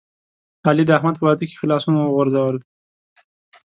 علی د احمد په واده کې ښه لاسونه وغورځول.